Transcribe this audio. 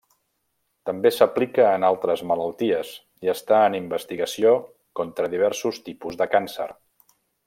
També s'aplica en altres malalties i està en investigació contra diversos tipus de càncer.